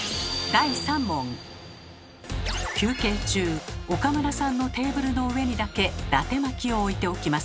休憩中岡村さんのテーブルの上にだけだて巻きを置いておきます。